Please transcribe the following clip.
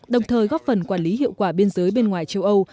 đồng thời góp phần quản lý hiệu quả biên giới bên ngoài châu âu